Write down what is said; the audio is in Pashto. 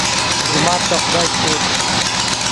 جومات د خدای کور دی.